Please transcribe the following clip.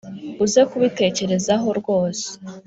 uze kubitekerezaho rwose